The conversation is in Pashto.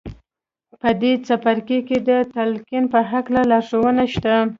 په دې څپرکو کې د تلقین په هکله لارښوونې شته